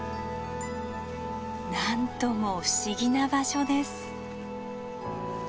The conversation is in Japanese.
なんとも不思議な場所です。